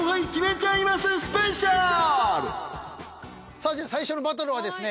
さあ最初のバトルはですね。